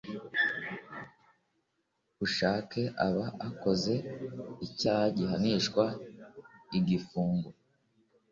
bushake aba akoze icyaha gihanishwa igifungo